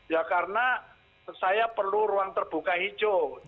ya karena saya perlu ruang terbuka hijau